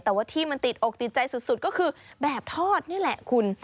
แต่ว่าที่มันติดอกติดใจสุดก็คือแบบทอดนี่แหละคุณ